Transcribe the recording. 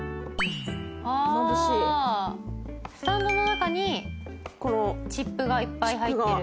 スタンドの中にチップがいっぱい入ってる。